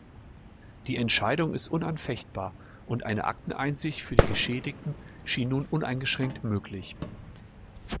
Die Entscheidung ist unanfechtbar und eine Akteneinsicht für die Geschädigten schien nun uneingeschränkt möglich.